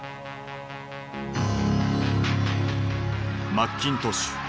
マッキントッシュ。